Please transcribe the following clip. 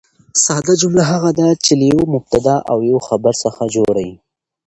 ساده جمله هغه ده، چي له یوه مبتداء او یوه خبر څخه جوړه يي.